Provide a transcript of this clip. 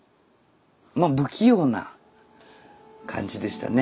まあ不器用な感じでしたね。